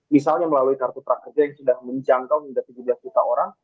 misalnya melalui kartu prakerja yang sudah menjangkau hingga tujuh belas juta orang